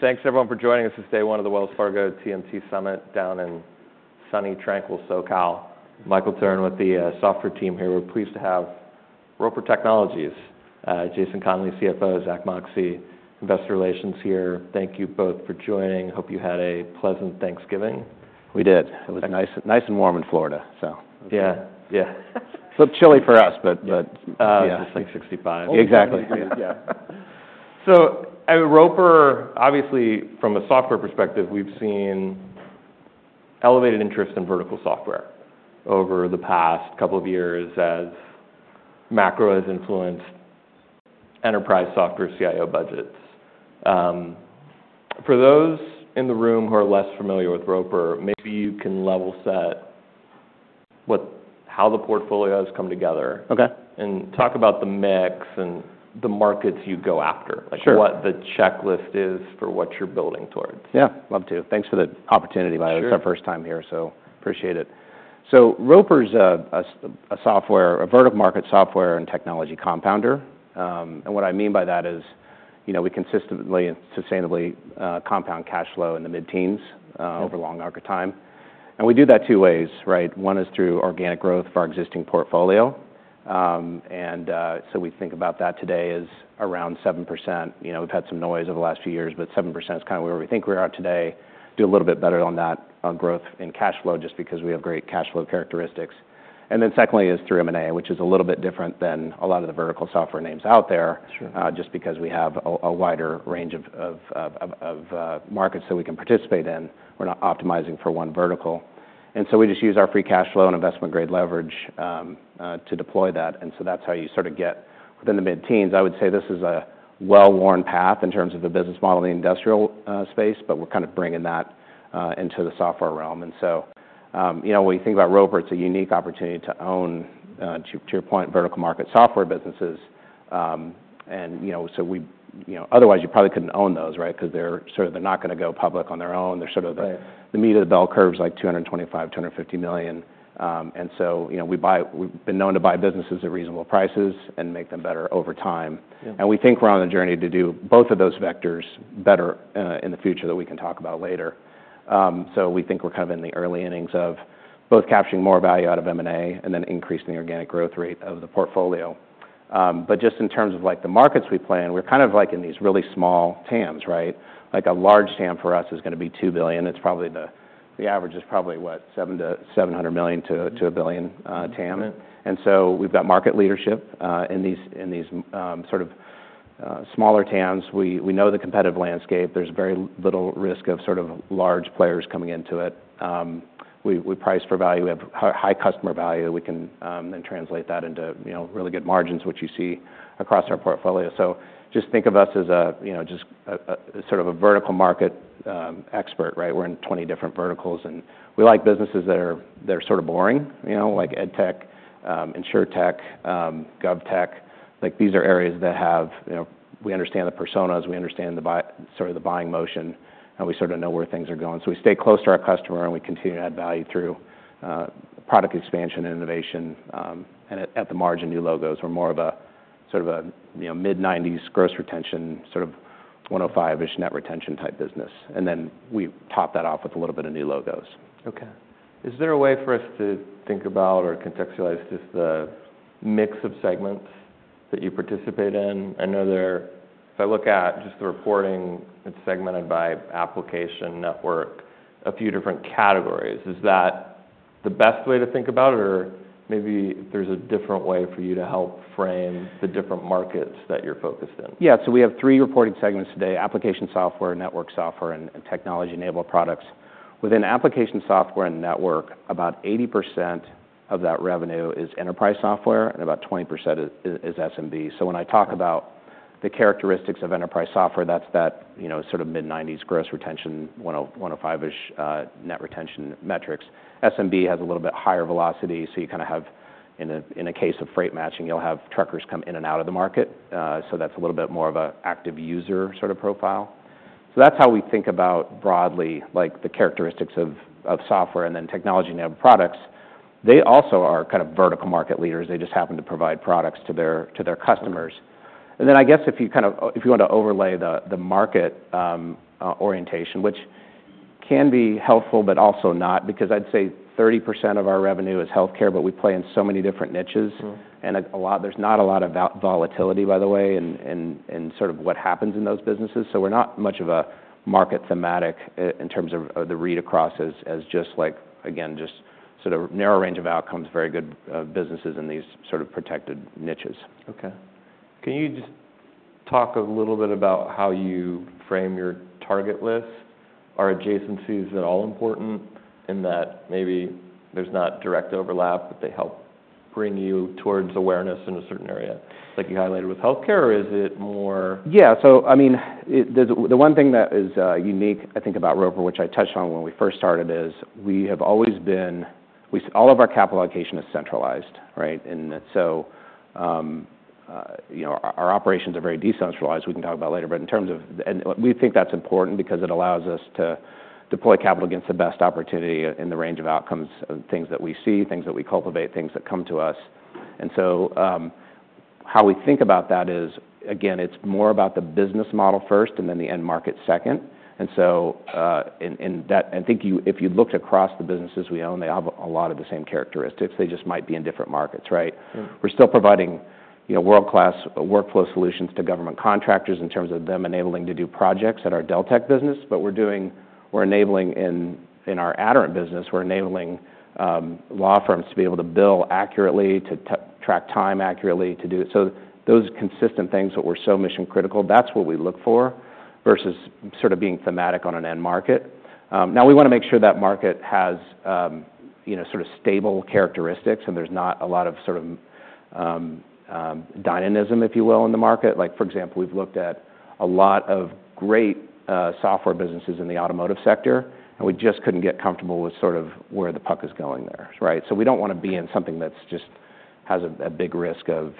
Thanks, everyone, for joining us this day one of the Wells Fargo TMT Summit down in sunny, tranquil SoCal. Michael Turrin with the software team here. We're pleased to have Roper Technologies, Jason Conley, CFO, Zack Moxcey, Investor Relations here. Thank you both for joining. Hope you had a pleasant Thanksgiving. We did. It was nice and warm in Florida, so. Yeah, yeah. A little chilly for us, but. Yeah, it's like 65. Exactly. Yeah, so at Roper, obviously, from a software perspective, we've seen elevated interest in vertical software over the past couple of years as macro has influenced enterprise software CIO budgets. For those in the room who are less familiar with Roper, maybe you can level set how the portfolios come together. OK. Talk about the mix and the markets you go after. Sure. What the checklist is for what you're building towards. Yeah, love to. Thanks for the opportunity. It's our first time here, so appreciate it. So Roper's a vertical market software and technology compounder. And what I mean by that is we consistently and sustainably compound cash flow in the mid-teens over a long market time. And we do that two ways. One is through organic growth for our existing portfolio. And so we think about that today as around 7%. We've had some noise over the last few years, but 7% is kind of where we think we are today. Do a little bit better on that growth in cash flow just because we have great cash flow characteristics. And then secondly is through M&A, which is a little bit different than a lot of the vertical software names out there, just because we have a wider range of markets that we can participate in. We're not optimizing for one vertical, and so we just use our free cash flow and investment-grade leverage to deploy that, and so that's how you sort of get within the mid-teens. I would say this is a well-worn path in terms of the business model in the industrial space, but we're kind of bringing that into the software realm. When you think about Roper, it's a unique opportunity to own, to your point, vertical market software businesses, and so otherwise, you probably couldn't own those, right? Because they're sort of not going to go public on their own. They're sort of the meat of the bell curves, like $225 million-$250 million, and so we've been known to buy businesses at reasonable prices and make them better over time. And we think we're on a journey to do both of those vectors better in the future that we can talk about later. So we think we're kind of in the early innings of both capturing more value out of M&A and then increasing the organic growth rate of the portfolio. But just in terms of the markets we play, and we're kind of like in these really small TAMs, right? Like a large TAM for us is going to be $2 billion. The average is probably, what, $700 million-$2 billion TAM. And so we've got market leadership in these sort of smaller TAMs. We know the competitive landscape. There's very little risk of sort of large players coming into it. We price for value. We have high customer value. We can then translate that into really good margins, which you see across our portfolio. So just think of us as just sort of a vertical market expert, right? We're in 20 different verticals. And we like businesses that are sort of boring, like EdTech, InsurTech, GovTech. These are areas that we understand the personas, we understand sort of the buying motion, and we sort of know where things are going. So we stay close to our customer, and we continue to add value through product expansion and innovation and at the margin new logos. We're more of a sort of a mid-90s gross retention, sort of 105-ish net retention type business. And then we top that off with a little bit of new logos. OK. Is there a way for us to think about or contextualize just the mix of segments that you participate in? I know if I look at just the reporting, it's segmented by application, network, a few different categories. Is that the best way to think about it? Or maybe there's a different way for you to help frame the different markets that you're focused in? Yeah. So we have three reporting segments today: application software, network software, and technology-enabled products. Within application software and network, about 80% of that revenue is enterprise software, and about 20% is SMB. So when I talk about the characteristics of enterprise software, that's that sort of mid-90s gross retention, 105-ish net retention metrics. SMB has a little bit higher velocity. So you kind of have, in a case of freight matching, you'll have truckers come in and out of the market. So that's a little bit more of an active user sort of profile. So that's how we think about broadly the characteristics of software. And then technology-enabled products, they also are kind of vertical market leaders. They just happen to provide products to their customers. And then I guess if you kind of want to overlay the market orientation, which can be helpful, but also not, because I'd say 30% of our revenue is health care, but we play in so many different niches. And there's not a lot of volatility, by the way, in sort of what happens in those businesses. So we're not much of a market thematic in terms of the read across as just, again, just sort of narrow range of outcomes, very good businesses in these sort of protected niches. OK. Can you just talk a little bit about how you frame your target list? Are adjacencies at all important in that maybe there's not direct overlap, but they help bring you towards awareness in a certain area like you highlighted with health care? Or is it more? Yeah. So I mean, the one thing that is unique, I think, about Roper, which I touched on when we first started, is we have always been all of our capital allocation is centralized. And so our operations are very decentralized. We can talk about later. But in terms of we think that's important because it allows us to deploy capital against the best opportunity in the range of outcomes, things that we see, things that we cultivate, things that come to us. And so how we think about that is, again, it's more about the business model first and then the end market second. And so I think if you looked across the businesses we own, they have a lot of the same characteristics. They just might be in different markets, right? We're still providing world-class workflow solutions to government contractors in terms of them enabling to do projects at our Deltek business. But we're enabling in our Aderant business, we're enabling law firms to be able to bill accurately, to track time accurately, to do. So those consistent things, what we're so mission critical, that's what we look for versus sort of being thematic on an end market. Now, we want to make sure that market has sort of stable characteristics, and there's not a lot of sort of dynamism, if you will, in the market. Like, for example, we've looked at a lot of great software businesses in the automotive sector, and we just couldn't get comfortable with sort of where the puck is going there, right? So we don't want to be in something that just has a big risk of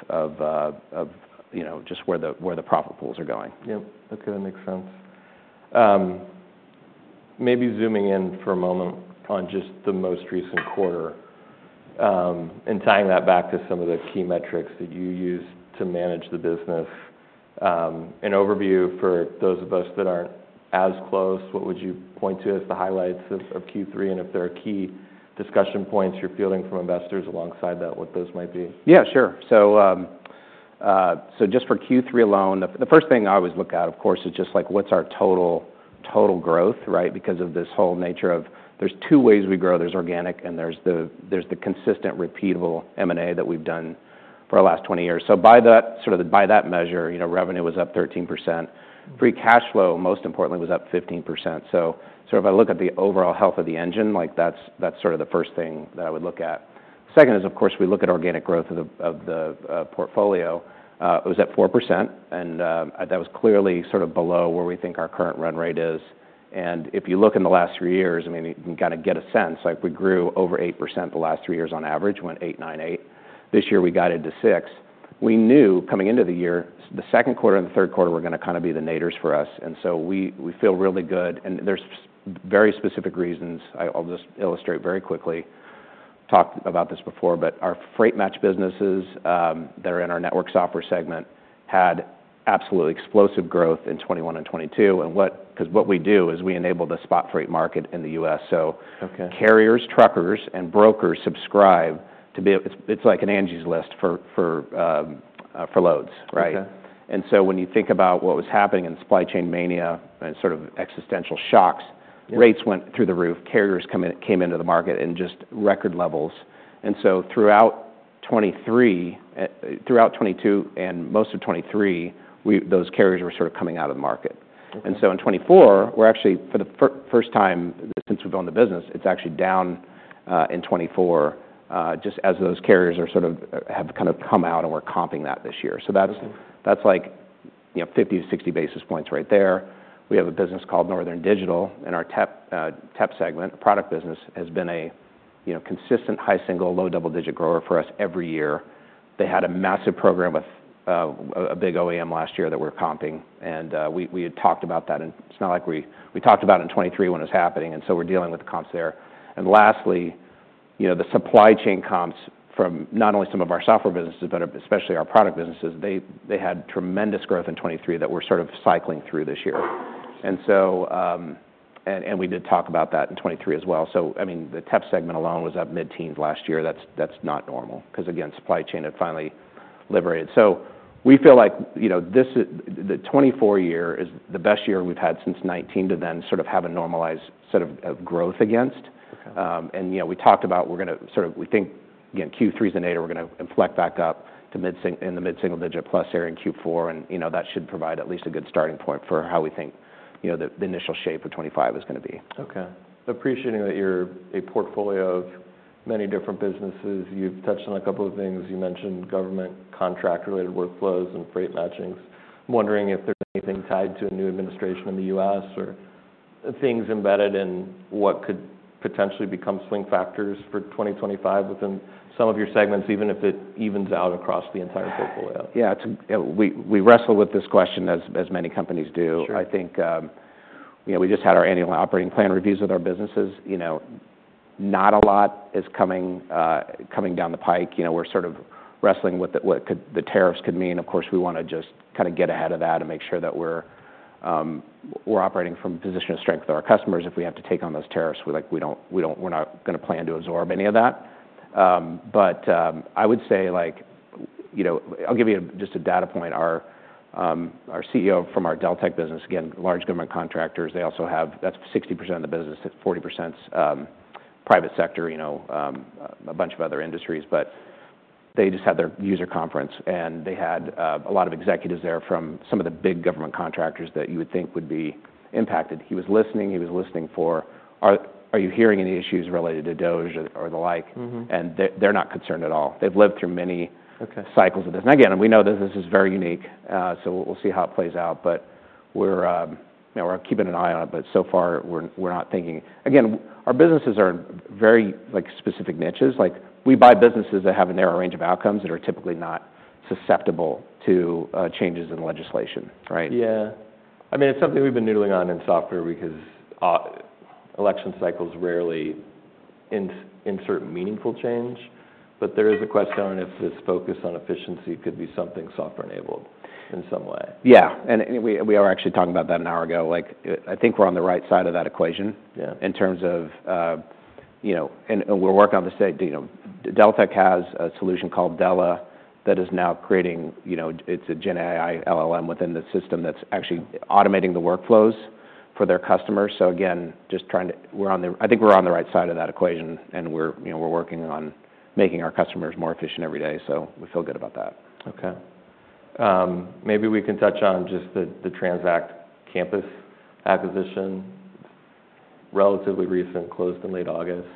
just where the profit pools are going. Yeah. OK. That makes sense. Maybe zooming in for a moment on just the most recent quarter and tying that back to some of the key metrics that you use to manage the business. An overview for those of us that aren't as close, what would you point to as the highlights of Q3? And if there are key discussion points you're fielding from investors alongside that, what those might be? Yeah, sure. So just for Q3 alone, the first thing I always look at, of course, is just like what's our total growth, right? Because of this whole nature of there's two ways we grow. There's organic, and there's the consistent, repeatable M&A that we've done for the last 20 years. So by that measure, revenue was up 13%. Free cash flow, most importantly, was up 15%. So sort of I look at the overall health of the engine. That's sort of the first thing that I would look at. Second is, of course, we look at organic growth of the portfolio. It was at 4%, and that was clearly sort of below where we think our current run rate is. And if you look in the last three years, I mean, you can kind of get a sense. We grew over 8% the last three years on average, went 8.98%. This year, we got it to 6%. We knew coming into the year, the second quarter and the third quarter were going to kind of be the nadirs for us. And so we feel really good. And there's very specific reasons. I'll just illustrate very quickly. Talked about this before, but our freight match businesses that are in our network software segment had absolutely explosive growth in 2021 and 2022. Because what we do is we enable the spot freight market in the U.S. So carriers, truckers, and brokers subscribe to be. It's like an Angie's List for loads, right? And so when you think about what was happening in supply chain mania and sort of existential shocks, rates went through the roof. Carriers came into the market in just record levels. Throughout 2022 and most of 2023, those carriers were sort of coming out of the market. In 2024, we're actually for the first time since we've owned the business, it's actually down in 2024 just as those carriers sort of have kind of come out, and we're comping that this year. That's like 50-60 basis points right there. We have a business called Northern Digital in our tech segment. Product business has been a consistent high single, low double-digit grower for us every year. They had a massive program with a big OEM last year that we're comping. We had talked about that. It's not like we talked about it in 2023 when it was happening. We're dealing with comps there. And lastly, the supply chain comps from not only some of our software businesses, but especially our product businesses, they had tremendous growth in 2023 that we're sort of cycling through this year. And we did talk about that in 2023 as well. So I mean, the tech segment alone was up mid-teens last year. That's not normal because, again, supply chain had finally liberated. So we feel like the 2024 year is the best year we've had since 2019 to then sort of have a normalized sort of growth against. And we talked about we're going to sort of we think, again, Q3 is the nadir. We're going to inflect back up to in the mid-single-digit plus area in Q4. And that should provide at least a good starting point for how we think the initial shape of 2025 is going to be. OK. Appreciating that you're a portfolio of many different businesses. You've touched on a couple of things. You mentioned government contract-related workflows and freight matchings. I'm wondering if there's anything tied to a new administration in the U.S. or things embedded in what could potentially become swing factors for 2025 within some of your segments, even if it evens out across the entire portfolio. Yeah. We wrestle with this question as many companies do. I think we just had our annual operating plan reviews with our businesses. Not a lot is coming down the pike. We're sort of wrestling with what the tariffs could mean. Of course, we want to just kind of get ahead of that and make sure that we're operating from a position of strength with our customers. If we have to take on those tariffs, we're not going to plan to absorb any of that. But I would say I'll give you just a data point. Our CEO from our Deltek business, again, large government contractors, they also have that's 60% of the business, 40% private sector, a bunch of other industries. But they just had their user conference, and they had a lot of executives there from some of the big government contractors that you would think would be impacted. He was listening. He was listening for, are you hearing any issues related to DOGE or the like? And they're not concerned at all. They've lived through many cycles of this. And again, we know that this is very unique. So we'll see how it plays out. But we're keeping an eye on it. But so far, we're not thinking. Again, our businesses are very specific niches. We buy businesses that have a narrow range of outcomes that are typically not susceptible to changes in legislation, right? Yeah. I mean, it's something we've been noodling on in software because election cycles rarely insert meaningful change. But there is a question on if this focus on efficiency could be something software-enabled in some way? Yeah, and we were actually talking about that an hour ago. I think we're on the right side of that equation in terms of, and we're working on this today. Deltek has a solution called Della that is now creating. It's a GenAI LLM within the system that's actually automating the workflows for their customers. So again, just trying to, I think we're on the right side of that equation, and we're working on making our customers more efficient every day. So we feel good about that. OK. Maybe we can touch on just the Transact Campus acquisition, relatively recent, closed in late August.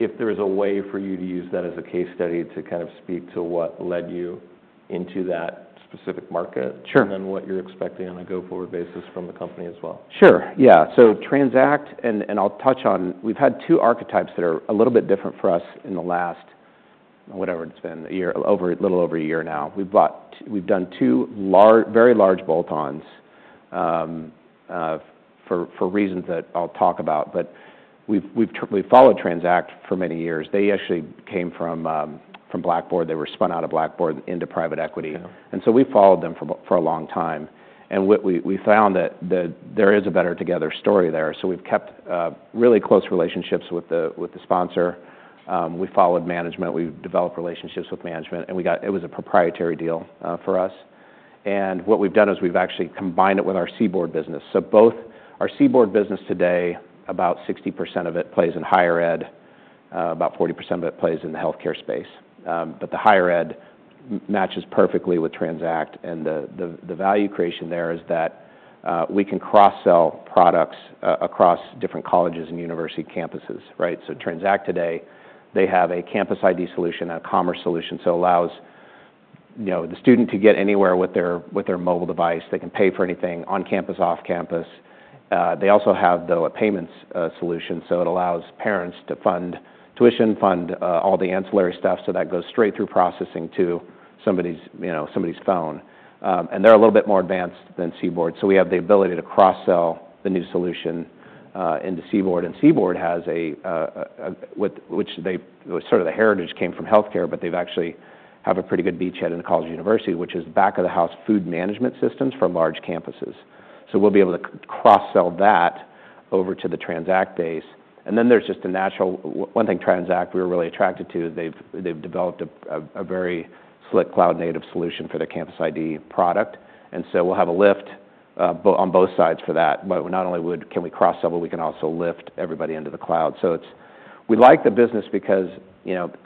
If there is a way for you to use that as a case study to kind of speak to what led you into that specific market and then what you're expecting on a go-forward basis from the company as well. Sure. Yeah. So Transact, and I'll touch on we've had two archetypes that are a little bit different for us in the last, whatever it's been, a year, a little over a year now. We've done two very large bolt-ons for reasons that I'll talk about, but we've followed Transact for many years. They actually came from Blackboard. They were spun out of Blackboard into private equity, and so we followed them for a long time, and we found that there is a better together story there, so we've kept really close relationships with the sponsor. We followed management. We've developed relationships with management, and it was a proprietary deal for us, and what we've done is we've actually combined it with our CBORD business, so both our CBORD business today, about 60% of it plays in higher ed. About 40% of it plays in the health care space. But the higher ed matches perfectly with Transact. And the value creation there is that we can cross-sell products across different colleges and university campuses, right? So Transact today, they have a campus ID solution and a commerce solution. So it allows the student to get anywhere with their mobile device. They can pay for anything on campus, off campus. They also have, though, a payments solution. So it allows parents to fund tuition, fund all the ancillary stuff. So that goes straight through processing to somebody's phone. And they're a little bit more advanced than CBORD. So we have the ability to cross-sell the new solution into CBORD. And CBORD has a which sort of the heritage came from health care, but they actually have a pretty good beachhead in college and university, which is back-of-the-house food management systems for large campuses. So we'll be able to cross-sell that over to the Transact base. And then there's just a natural one thing Transact we were really attracted to is they've developed a very slick cloud-native solution for their campus ID product. And so we'll have a lift on both sides for that. But not only can we cross-sell, but we can also lift everybody into the cloud. So we like the business because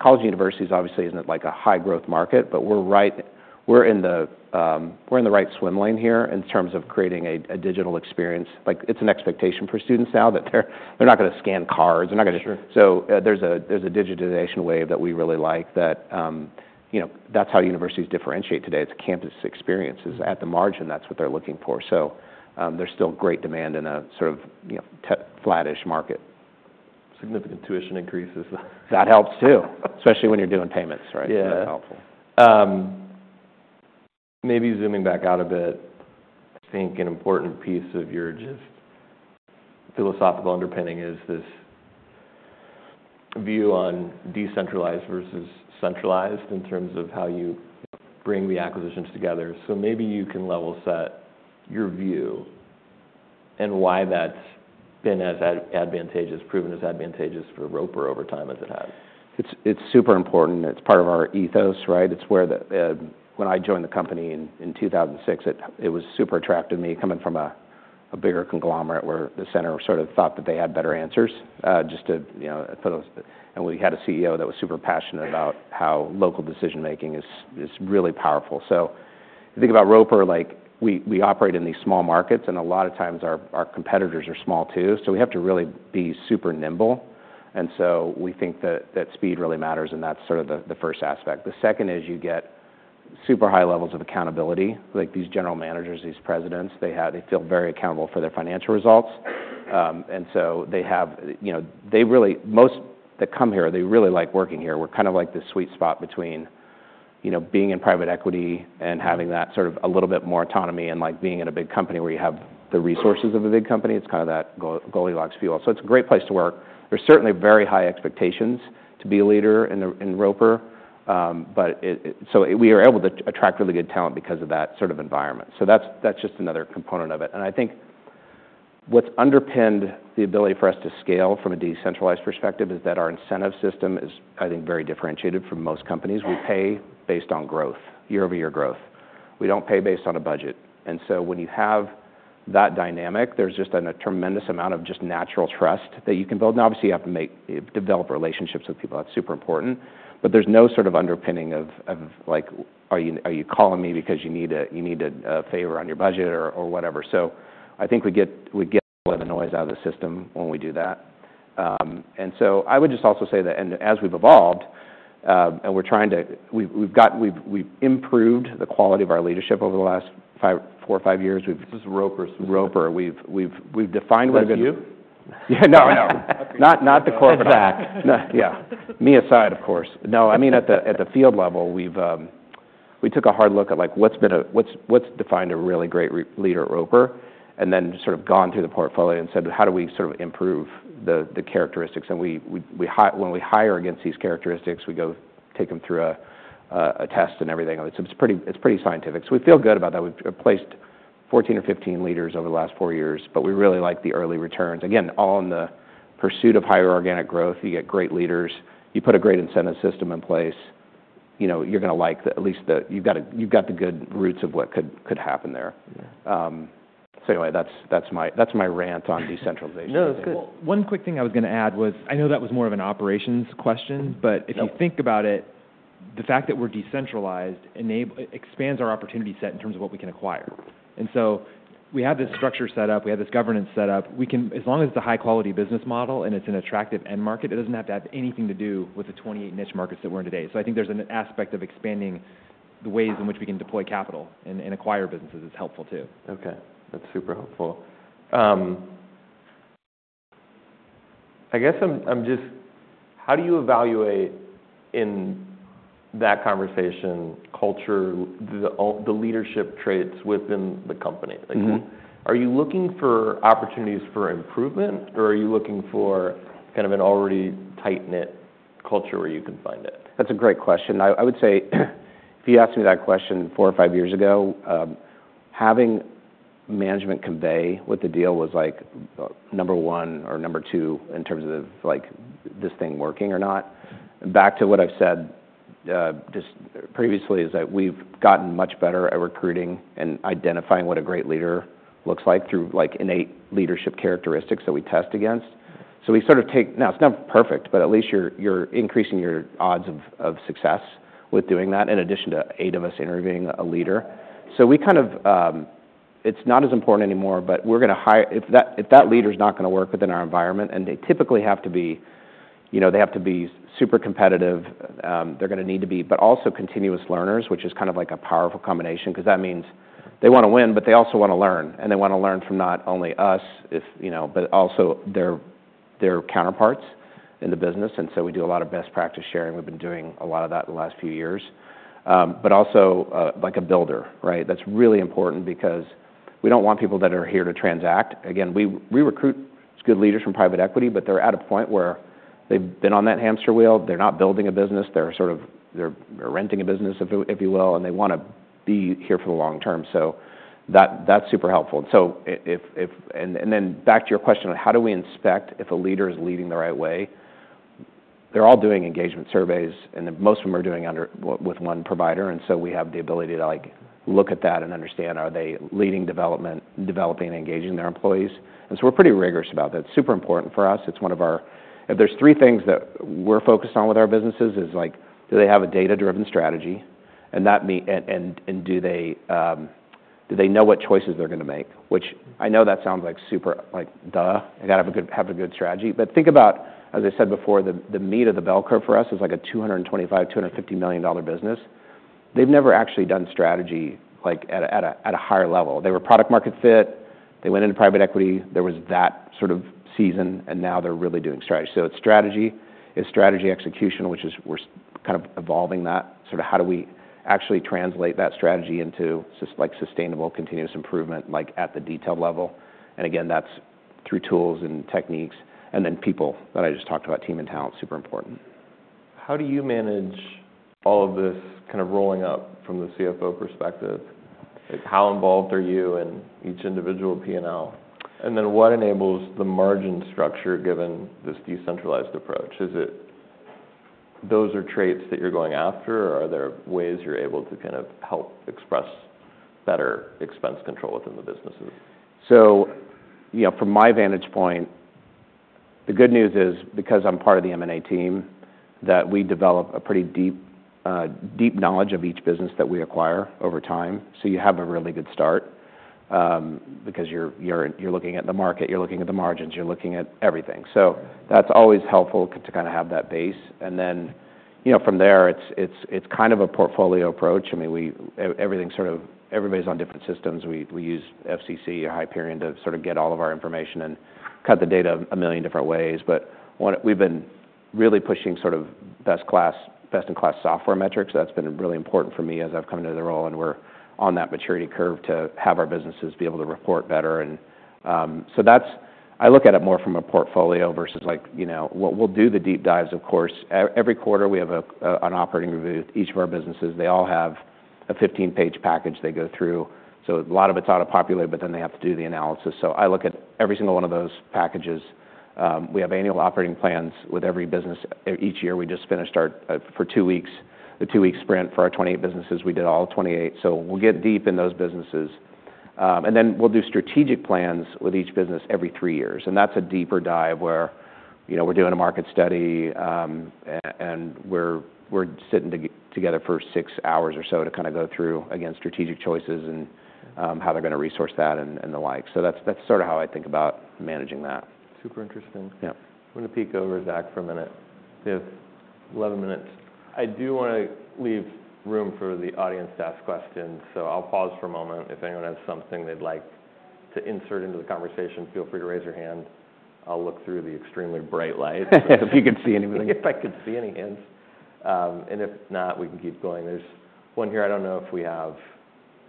college and universities, obviously, isn't like a high-growth market. But we're in the right swim lane here in terms of creating a digital experience. It's an expectation for students now that they're not going to scan cards. They're not going to, so there's a digitization wave that we really like, that that's how universities differentiate today. It's campus experiences. At the margin, that's what they're looking for. So there's still great demand in a sort of flat-ish market. Significant tuition increases. That helps too, especially when you're doing payments, right? So that's helpful. Maybe zooming back out a bit, I think an important piece of your just philosophical underpinning is this view on decentralized versus centralized in terms of how you bring the acquisitions together. So maybe you can level set your view and why that's been as advantageous, proven as advantageous for Roper over time as it has. It's super important. It's part of our ethos, right? It's where when I joined the company in 2006, it was super attractive to me coming from a bigger conglomerate where the center sort of thought that they had better answers just to put those, and we had a CEO that was super passionate about how local decision-making is really powerful, so if you think about Roper, we operate in these small markets, and a lot of times, our competitors are small too, so we have to really be super nimble, and so we think that speed really matters, and that's sort of the first aspect. The second is you get super high levels of accountability. These general managers, these presidents, they feel very accountable for their financial results, and so they have most that come here, they really like working here. We're kind of like the sweet spot between being in private equity and having that sort of a little bit more autonomy and being in a big company where you have the resources of a big company. It's kind of that Goldilocks feel. So it's a great place to work. There's certainly very high expectations to be a leader in Roper. So we are able to attract really good talent because of that sort of environment. So that's just another component of it. And I think what's underpinned the ability for us to scale from a decentralized perspective is that our incentive system is, I think, very differentiated from most companies. We pay based on growth, year-over-year growth. We don't pay based on a budget. And so when you have that dynamic, there's just a tremendous amount of just natural trust that you can build. Obviously, you have to develop relationships with people. That's super important. There's no sort of underpinning of, are you calling me because you need a favor on your budget or whatever. I think we get all of the noise out of the system when we do that. I would just also say that as we've evolved and we've improved the quality of our leadership over the last four or five years. This is Roper. Roper. We've defined what's new. Reverend Hugh? Yeah. No, no. Not the corporate. Transact. Yeah. Me aside, of course. No, I mean, at the field level, we took a hard look at what's defined a really great leader at Roper and then sort of gone through the portfolio and said, how do we sort of improve the characteristics? And when we hire against these characteristics, we go take them through a test and everything. So it's pretty scientific. So we feel good about that. We've placed 14 or 15 leaders over the last four years. But we really like the early returns. Again, all in the pursuit of higher organic growth. You get great leaders. You put a great incentive system in place, you're going to like at least you've got the good roots of what could happen there. So anyway, that's my rant on decentralization. No, that's good. One quick thing I was going to add was I know that was more of an operations question. But if you think about it, the fact that we're decentralized expands our opportunity set in terms of what we can acquire. And so we have this structure set up. We have this governance set up. As long as it's a high-quality business model and it's an attractive end market, it doesn't have to have anything to do with the 28 niche markets that we're in today. So I think there's an aspect of expanding the ways in which we can deploy capital and acquire businesses is helpful too. OK. That's super helpful. I guess I'm just, how do you evaluate in that conversation culture the leadership traits within the company? Are you looking for opportunities for improvement, or are you looking for kind of an already tight-knit culture where you can find it? That's a great question. I would say if you asked me that question four or five years ago, having management convey what the deal was like number one or number two in terms of this thing working or not. Back to what I've said just previously is that we've gotten much better at recruiting and identifying what a great leader looks like through innate leadership characteristics that we test against. So we sort of take now, it's not perfect, but at least you're increasing your odds of success with doing that in addition to eight of us interviewing a leader. So we kind of, it's not as important anymore, but we're going to hire if that leader is not going to work within our environment, and they typically have to be super competitive. They're going to need to be, but also continuous learners, which is kind of like a powerful combination because that means they want to win, but they also want to learn. And they want to learn from not only us, but also their counterparts in the business. And so we do a lot of best practice sharing. We've been doing a lot of that in the last few years. But also like a builder, right? That's really important because we don't want people that are here to transact. Again, we recruit good leaders from private equity. But they're at a point where they've been on that hamster wheel. They're not building a business. They're sort of renting a business, if you will. And they want to be here for the long term. So that's super helpful. Then back to your question, how do we inspect if a leader is leading the right way? They're all doing engagement surveys. And most of them are doing under with one provider. And so we have the ability to look at that and understand, are they leading development, developing, and engaging their employees? And so we're pretty rigorous about that. It's super important for us. It's one of our if there's three things that we're focused on with our businesses is do they have a data-driven strategy? And do they know what choices they're going to make? Which I know that sounds like super like, duh, they've got to have a good strategy. But think about, as I said before, the meat of the bell curve for us is like a $225 million-$250 million business. They've never actually done strategy at a higher level. They were product-market fit. They went into private equity. There was that sort of season, and now they're really doing strategy, so it's strategy, it's strategy execution, which is we're kind of evolving that. Sort of how do we actually translate that strategy into sustainable continuous improvement at the detail level? And again, that's through tools and techniques, and then people that I just talked about, team and talent, super important. How do you manage all of this kind of rolling up from the CFO perspective? How involved are you in each individual P&L? And then what enables the margin structure given this decentralized approach? Those are traits that you're going after? Or are there ways you're able to kind of help express better expense control within the businesses? From my vantage point, the good news is because I'm part of the M&A team that we develop a pretty deep knowledge of each business that we acquire over time. You have a really good start because you're looking at the market. You're looking at the margins. You're looking at everything. That's always helpful to kind of have that base. From there, it's kind of a portfolio approach. I mean, everything sort of everybody's on different systems. We use FCC or Hyperion to sort of get all of our information and cut the data a million different ways. We've been really pushing sort of best-in-class software metrics. That's been really important for me as I've come into the role. We're on that maturity curve to have our businesses be able to report better. And so I look at it more from a portfolio versus we'll do the deep dives, of course. Every quarter, we have an operating review with each of our businesses. They all have a 15-page package they go through. So a lot of it's auto-populated. But then they have to do the analysis. So I look at every single one of those packages. We have annual operating plans with every business. Each year, we just finished ours for two weeks, the two-week sprint for our 28 businesses. We did all 28. So we'll get deep in those businesses. And then we'll do strategic plans with each business every three years. And that's a deeper dive where we're doing a market study. And we're sitting together for six hours or so to kind of go through, again, strategic choices and how they're going to resource that and the like. So that's sort of how I think about managing that. Super interesting. Yeah. I'm going to peek over Zack for a minute. We have 11 minutes. I do want to leave room for the audience to ask questions. So I'll pause for a moment. If anyone has something they'd like to insert into the conversation, feel free to raise your hand. I'll look through the extremely bright light. If you could see anything. If I could see any hints. And if not, we can keep going. There's one here. I don't know if we have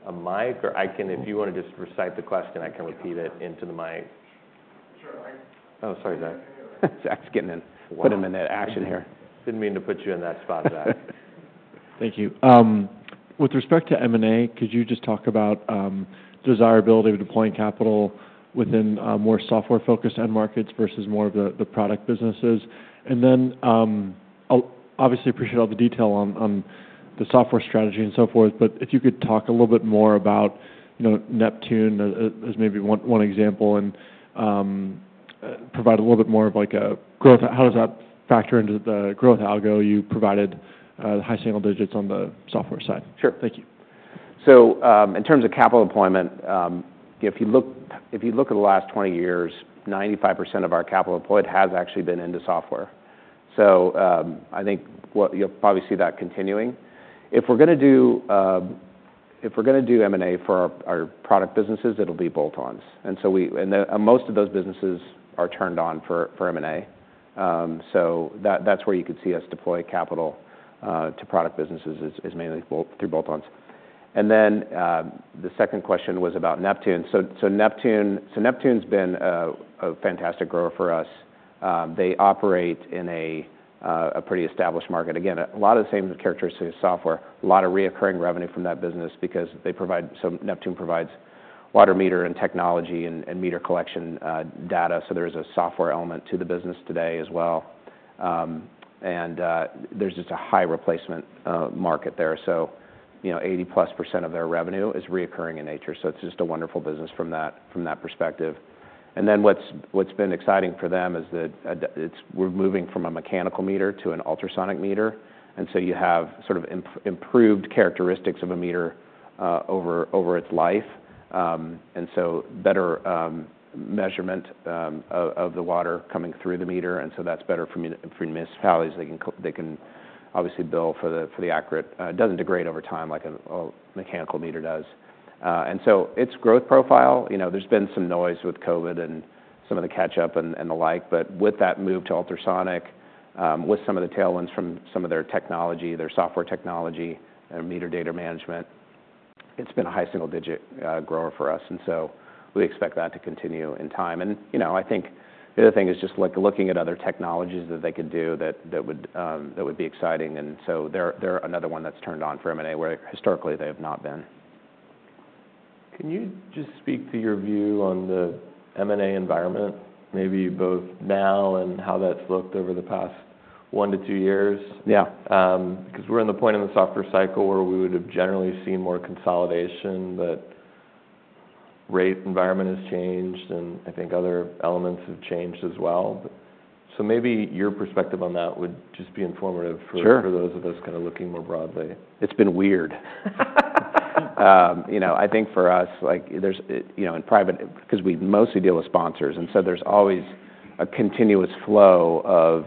a mic. Or if you want to just recite the question, I can repeat it into the mic. Oh, sorry, Zack. Zack's getting in. Put him in that action here. Didn't mean to put you in that spot, Zack. Thank you. With respect to M&A, could you just talk about desirability of deploying capital within more software-focused end markets versus more of the product businesses? And then obviously appreciate all the detail on the software strategy and so forth. But if you could talk a little bit more about Neptune as maybe one example and provide a little bit more of like a growth, how does that factor into the growth algo you provided, high single digits on the software side? Sure. Thank you. In terms of capital deployment, if you look at the last 20 years, 95% of our capital deployed has actually been into software. I think you'll probably see that continuing. If we're going to do M&A for our product businesses, it'll be bolt-ons. Most of those businesses are turned on for M&A. That's where you could see us deploy capital to product businesses, mainly through bolt-ons. The second question was about Neptune. Neptune's been a fantastic grower for us. They operate in a pretty established market. Again, a lot of the same characteristics as software, a lot of recurring revenue from that business because they provide. So Neptune provides water meter and technology and meter collection data. There is a software element to the business today as well. There's just a high replacement market there. So 80%+ of their revenue is recurring in nature. So it's just a wonderful business from that perspective. And then what's been exciting for them is that we're moving from a mechanical meter to an ultrasonic meter. And so you have sort of improved characteristics of a meter over its life. And so better measurement of the water coming through the meter. And so that's better for municipalities. They can obviously bill for the accurate. It doesn't degrade over time like a mechanical meter does. And so its growth profile, there's been some noise with COVID and some of the catch-up and the like. But with that move to ultrasonic, with some of the tailwinds from some of their technology, their software technology, and meter data management, it's been a high single-digit grower for us. And so we expect that to continue in time. I think the other thing is just looking at other technologies that they could do that would be exciting. So they're another one that's turned on for M&A where historically they have not been. Can you just speak to your view on the M&A environment, maybe both now and how that's looked over the past one to two years? Yeah. Because we're in the point in the software cycle where we would have generally seen more consolidation. But rate environment has changed. And I think other elements have changed as well. So maybe your perspective on that would just be informative. Sure. For those of us kind of looking more broadly. It's been weird. I think for us, in private because we mostly deal with sponsors, and so there's always a continuous flow of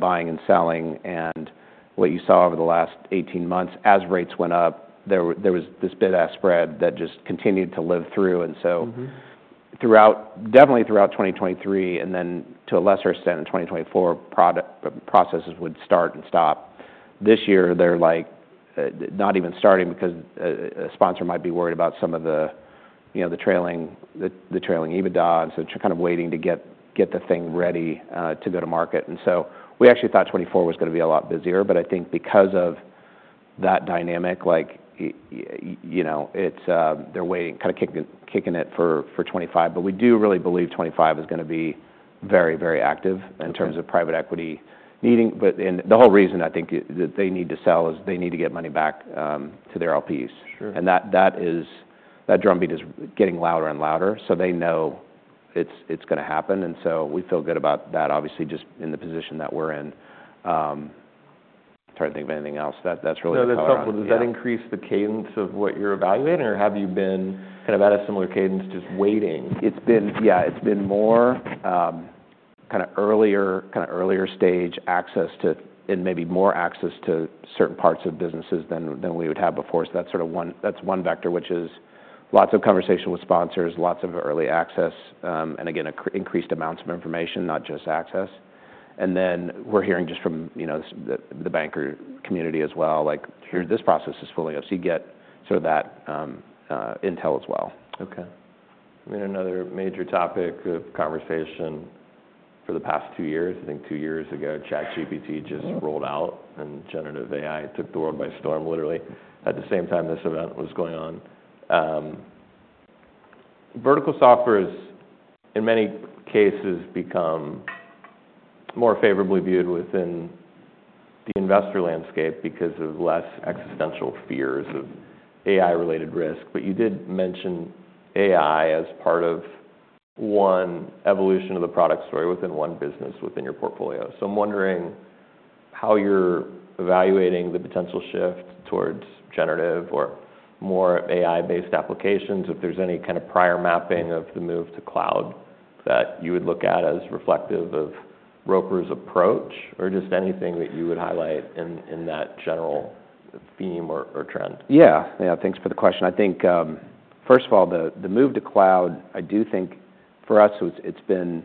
buying and selling, and what you saw over the last 18 months, as rates went up, there was this bid-ask spread that just continued to live through. And so definitely throughout 2023 and then to a lesser extent in 2024, processes would start and stop. This year, they're like not even starting because a sponsor might be worried about some of the trailing EBITDA, and so they're kind of waiting to get the thing ready to go to market, and so we actually thought 2024 was going to be a lot busier, but I think because of that dynamic, they're waiting, kind of kicking it for 2025. But we do really believe 2025 is going to be very, very active in terms of private equity needing. But the whole reason I think that they need to sell is they need to get money back to their LPs. And that drumbeat is getting louder and louder. So they know it's going to happen. And so we feel good about that, obviously, just in the position that we're in. I'm trying to think of anything else. That's really the. No, that's helpful. Does that increase the cadence of what you're evaluating? Or have you been kind of at a similar cadence just waiting? It's been, yeah, it's been more kind of earlier stage access to and maybe more access to certain parts of businesses than we would have before. So that's sort of one that's one vector, which is lots of conversation with sponsors, lots of early access, and again, increased amounts of information, not just access. And then we're hearing just from the banker community as well, like, this process is fully up. So you get sort of that intel as well. OK. I mean, another major topic of conversation for the past two years, I think two years ago, ChatGPT just rolled out, and generative AI took the world by storm, literally, at the same time this event was going on. Vertical software has, in many cases, become more favorably viewed within the investor landscape because of less existential fears of AI-related risk, but you did mention AI as part of one evolution of the product story within one business within your portfolio, so I'm wondering how you're evaluating the potential shift towards generative or more AI-based applications, if there's any kind of prior mapping of the move to cloud that you would look at as reflective of Roper's approach, or just anything that you would highlight in that general theme or trend? Yeah. Yeah, thanks for the question. I think, first of all, the move to cloud, I do think for us, it's been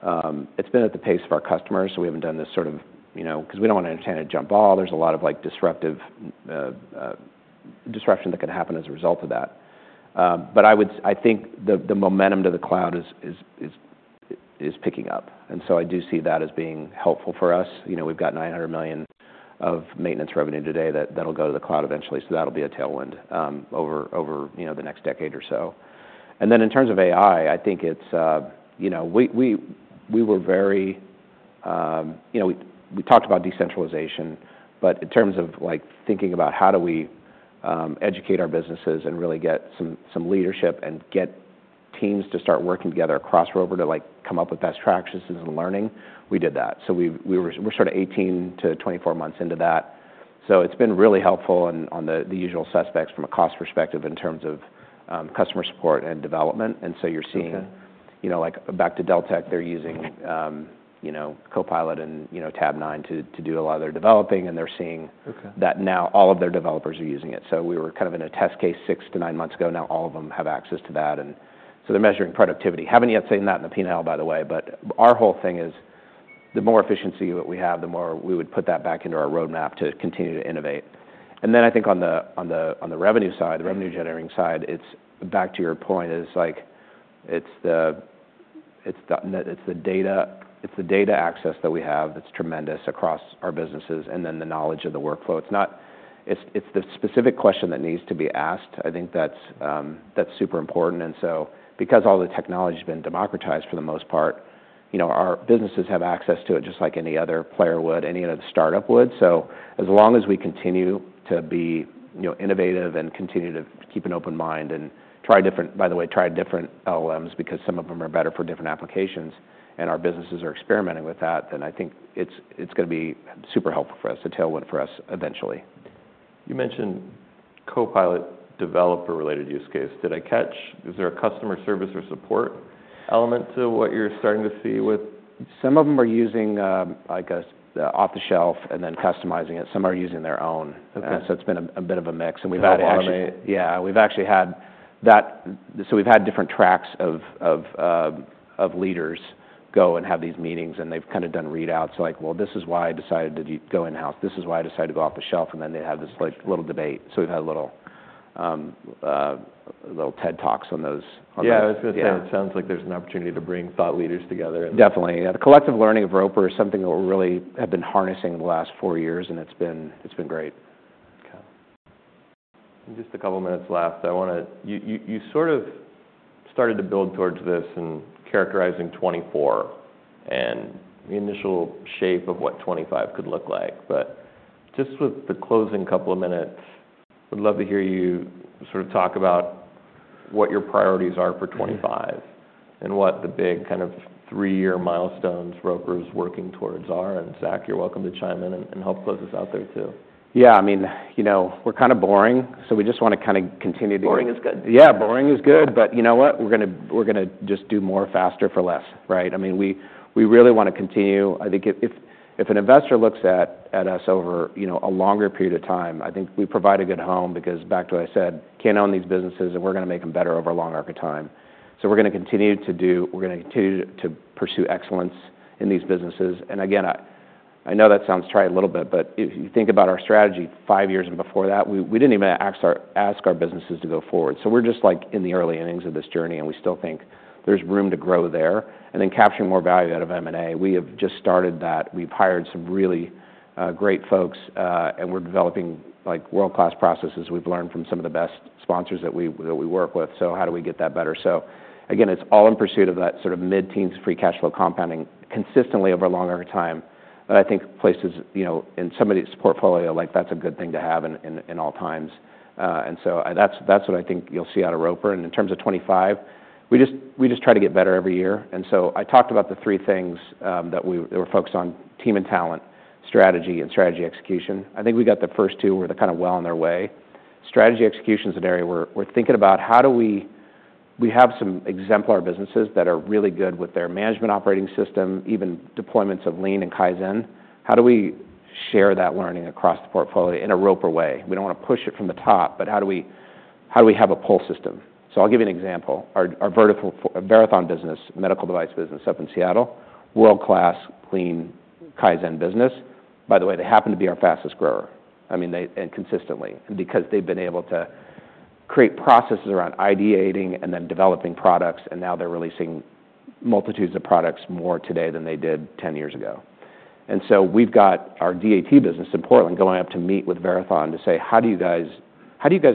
at the pace of our customers. So we haven't done this sort of because we don't want to intend to jump all. There's a lot of disruption that can happen as a result of that. But I think the momentum to the cloud is picking up. And so I do see that as being helpful for us. We've got $900 million of maintenance revenue today that'll go to the cloud eventually. So that'll be a tailwind over the next decade or so. And then in terms of AI, I think we were very. We talked about decentralization. But in terms of thinking about how do we educate our businesses and really get some leadership and get teams to start working together across Roper to come up with best practices and learning, we did that. So we're sort of 18-24 months into that. So it's been really helpful on the usual suspects from a cost perspective in terms of customer support and development. And so you're seeing back to Deltek, they're using Copilot and Tabnine to do a lot of their developing. And they're seeing that now all of their developers are using it. So we were kind of in a test case six to nine months ago. Now all of them have access to that. And so they're measuring productivity. Haven't yet seen that in the P&L, by the way. But our whole thing is the more efficiency that we have, the more we would put that back into our roadmap to continue to innovate. And then I think on the revenue side, the revenue generating side, it's back to your point. It's the data access that we have that's tremendous across our businesses and then the knowledge of the workflow. It's the specific question that needs to be asked. I think that's super important. And so because all the technology has been democratized for the most part, our businesses have access to it just like any other player would, any other startup would. So as long as we continue to be innovative and continue to keep an open mind and, by the way, try different LLMs because some of them are better for different applications and our businesses are experimenting with that, then I think it's going to be super helpful for us, a tailwind for us eventually. You mentioned Copilot developer-related use case. Did I catch? Is there a customer service or support element to what you're starting to see with? Some of them are using the off-the-shelf and then customizing it. Some are using their own. And so it's been a bit of a mix. And we've actually. That automation? Yeah. We've actually had that. So we've had different tracks of leaders go and have these meetings. And they've kind of done readouts like, well, this is why I decided to go in-house. This is why I decided to go off the shelf. And then they have this little debate. So we've had a little TED Talks on those. Yeah. It sounds like there's an opportunity to bring thought leaders together. Definitely. The collective learning of Roper is something that we really have been harnessing the last four years, and it's been great. Just a couple of minutes left. You sort of started to build towards this and characterizing 2024 and the initial shape of what 2025 could look like. But just with the closing couple of minutes, I would love to hear you sort of talk about what your priorities are for 2025 and what the big kind of three-year milestones Roper is working towards are. And Zack, you're welcome to chime in and help put this out there too. Yeah. I mean, we're kind of boring. So we just want to kind of continue to. Boring is good. Yeah, boring is good. But you know what? We're going to just do more faster for less, right? I mean, we really want to continue. I think if an investor looks at us over a longer period of time, I think we provide a good home because back to what I said, can't own these businesses. And we're going to make them better over a long arc of time. So we're going to continue to pursue excellence in these businesses. And again, I know that sounds trite a little bit. But if you think about our strategy five years before that, we didn't even ask our businesses to go forward. So we're just like in the early innings of this journey. And we still think there's room to grow there. And then capturing more value out of M&A. We have just started that. We've hired some really great folks. And we're developing world-class processes. We've learned from some of the best sponsors that we work with. So how do we get that better? So again, it's all in pursuit of that sort of mid-teens free cash flow compounding consistently over a longer time. But I think places in somebody's portfolio, that's a good thing to have in all times. And so that's what I think you'll see out of Roper. And in terms of 2025, we just try to get better every year. And so I talked about the three things that we were focused on: team and talent, strategy, and strategy execution. I think we got the first two were kind of well on their way. Strategy execution is an area we're thinking about. How do we have some exemplar businesses that are really good with their management operating system, even deployments of Lean and Kaizen? How do we share that learning across the portfolio in a Roper way? We don't want to push it from the top. But how do we have a pull system? So I'll give you an example. Our Verathon business, medical device business up in Seattle, world-class Lean Kaizen business. By the way, they happen to be our fastest grower, I mean, consistently because they've been able to create processes around ideating and then developing products. And now they're releasing multitudes of products more today than they did 10 years ago. And so we've got our DAT business in Portland going up to meet with Verathon to say, how do you guys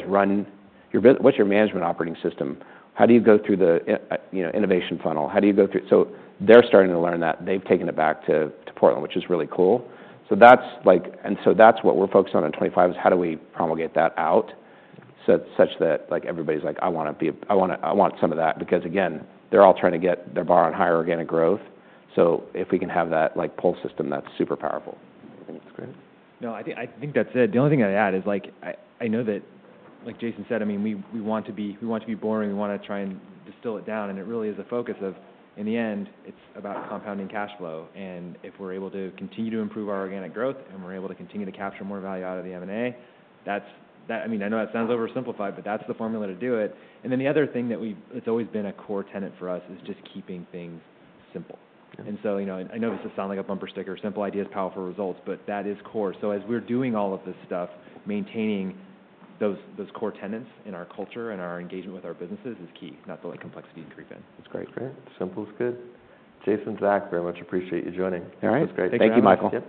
run your business? What's your management operating system? How do you go through the innovation funnel? How do you go through? So they're starting to learn that. They've taken it back to Portland, which is really cool. And so that's what we're focused on in 2025 is how do we promulgate that out such that everybody's like, I want some of that. Because again, they're all trying to get their bar on higher organic growth. So if we can have that pull system, that's super powerful. That's great. No, I think that's it. The only thing I'd add is I know that, like Jason said, I mean, we want to be boring. We want to try and distill it down, and it really is a focus of, in the end, it's about compounding cash flow. And if we're able to continue to improve our organic growth and we're able to continue to capture more value out of the M&A, I mean, I know that sounds oversimplified, but that's the formula to do it, and then the other thing, it's always been a core tenet for us is just keeping things simple. And so I know this will sound like a bumper sticker, simple ideas, powerful results, but that is core. So as we're doing all of this stuff, maintaining those core tenets in our culture and our engagement with our businesses is key, not the complexity and creep in. That's great. Simple is good. Jason and Zack, very much appreciate you joining. All right. That was great. Thank you, Michael.